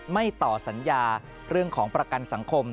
ไม่ต่อสัญญาเรื่องของประกันสังคม